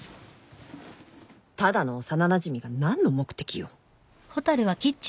ただの幼なじみが何の目的よ？